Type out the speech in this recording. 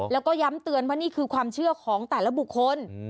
แล้วก็ย้ำเตือนว่านี่คือความเชื่อของแต่ละบุคคล